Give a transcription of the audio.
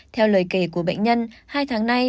theo lời kể của bệnh nhân hai tháng nay